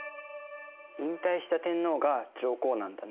引退した天皇が上皇なんだね。